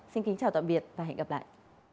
xin kính chào tạm biệt và hẹn gặp lại